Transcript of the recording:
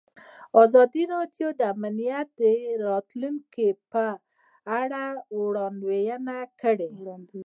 ازادي راډیو د امنیت د راتلونکې په اړه وړاندوینې کړې.